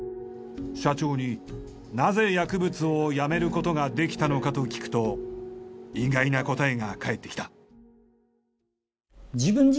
社長に「なぜ薬物をやめることができたのか？」と聞くと意外な答えが返ってきた。